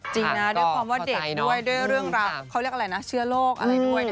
จริงนะด้วยความว่าเด็กด้วยด้วยเรื่องราวเขาเรียกอะไรนะเชื้อโรคอะไรด้วย